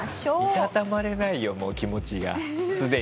居たたまれないよもう気持ちがすでに。